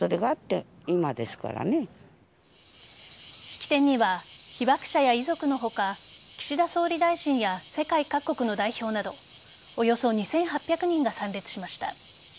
式典には被爆者や遺族の他岸田総理大臣や世界各国の代表などおよそ２８００人が参列しました。